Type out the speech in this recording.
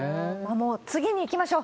次に行きましょう。